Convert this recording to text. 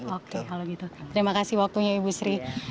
oke kalau gitu terima kasih waktunya ibu sri